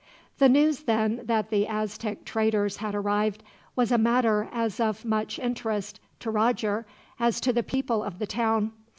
The news, then, that the Aztec traders had arrived was a matter of as much interest, to Roger, as to the people of the town.